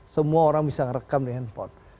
semua orang bisa ngerekam di handphone